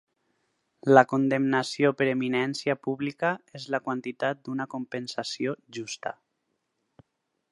La condemnació per eminència pública és la quantitat d'una compensació justa.